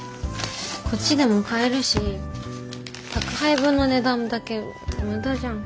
こっちでも買えるし宅配分の値段だけ無駄じゃん。